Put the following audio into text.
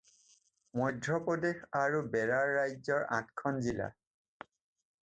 মধ্য প্ৰদেশ আৰু বেৰাৰ ৰাজ্যৰ আঠখন জিলা।